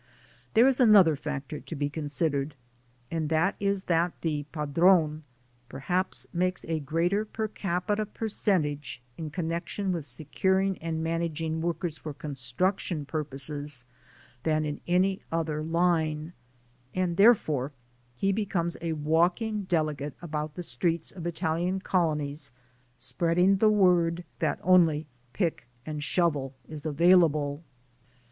There is another factor to be considered, and that is that the "pa drone" perhaps makes a greater per capita per centage in connection with securing and managing workers for construction purposes than in any other line, and therefore he becomes a walking delegate about the streets of Italian colonies spreading the word that only "peek and shuvle" is available.